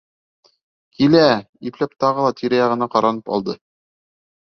Килә! -ипләп тағы ла тирә-яғына ҡаранып алды.